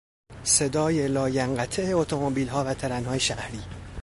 صدای لاینقطع اتومبیلها و ترنهای شهری